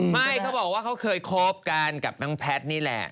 ไม่เขาบอกว่าเขาเคยคบกันกับน้องแพทย์นี่แหละ